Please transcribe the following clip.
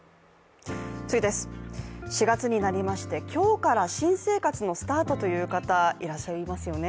４月になりまして、今日から新生活のスタートという方、いらっしゃいますよね。